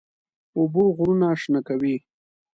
اوبه غرونه شنه کوي.